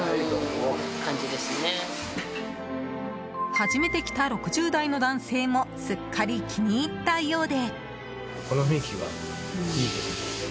初めて来た６０代の男性もすっかり気に入ったようで。